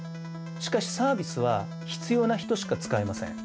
しかしサービスは必要な人しか使えません。